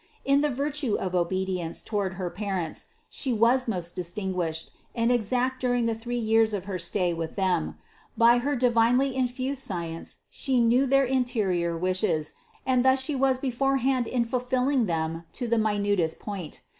In the virtue of obedience toward her parents She was most distin guished and exact during the three years of her stay with them; by her divinely infused science She knew their interior wishes and thus She was beforehand in fulfill ing them to the minutest point.